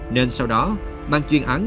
nên sau đó băng chuyên án